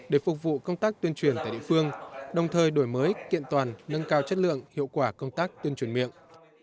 để phục vụ công tác tuyên truyền tại địa phương đồng thời đổi mới kiện toàn nâng cao chất lượng hiệu quả công tác tuyên truyền miệng